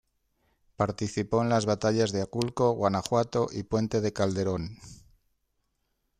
Participó en las batallas de Aculco, Guanajuato, y Puente de Calderón.